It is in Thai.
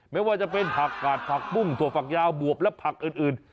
ไม่ว่าจะเป็นผักกาดผักปุ้งถั่วฝักยาวบวบและผักอื่น